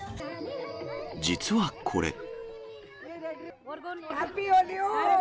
実はこれ。